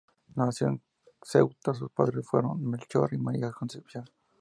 Nació en Ceuta, sus padres fueron Melchor y María Concepción.